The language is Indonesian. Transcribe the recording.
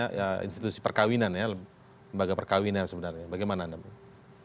apa namanya institusi perkawinan ya lembaga perkawinan sebenarnya bagaimana namanya